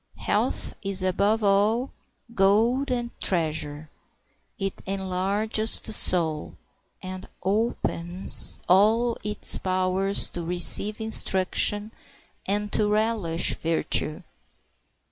Health is above all gold and treasure. It enlarges the soul, and opens all its powers to receive instruction and to relish virtue.